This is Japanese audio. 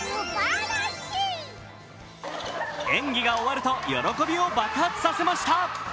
演技が終わると喜びを爆発させました。